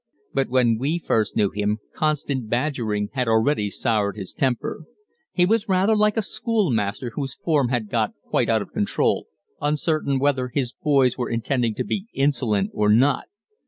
But when we first knew him constant badgering had already soured his temper. He was rather like a schoolmaster whose form has got quite out of control, uncertain whether his boys were intending to be insolent or not.